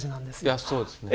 いやそうですよね。